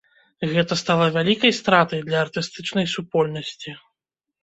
Гэта стала вялікай стратай для артыстычнай супольнасці.